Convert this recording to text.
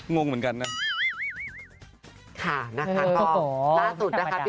งงเหมือนกันเนี่ย